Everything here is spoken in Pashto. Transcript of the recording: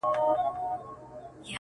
خندا چي تاته در پرې ايښې په ژرا مئين يم،